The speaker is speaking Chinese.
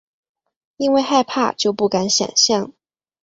因为害怕就不敢想像